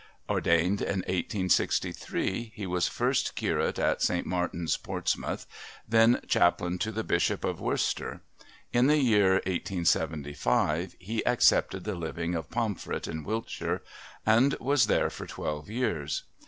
Ordained in 1863, he was first curate at St. Martin's, Portsmouth, then Chaplain to the Bishop of Worcester; in the year 1875 he accepted the living of Pomfret in Wiltshire and was there for twelve years.